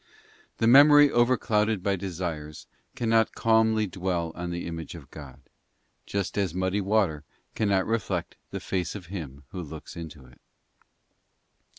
The memory overclouded by desires cannot calmly dwell on the Image of God, just as muddy water can not reflect the face of him who looks into it.